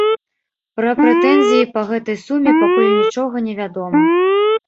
Пра прэтэнзіі па гэтай суме пакуль нічога невядома.